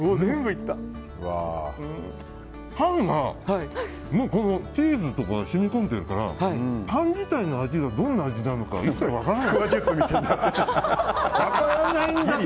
パンにチーズとか染み込んでいるからパン自体の味が、どんな味なのかよく分からないんです。